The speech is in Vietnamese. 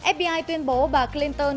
fbi tuyên bố bà clinton